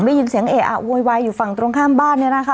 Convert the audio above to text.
ได้ยินเสียงเออะโวยวายอยู่ฝั่งตรงข้ามบ้านเนี่ยนะคะ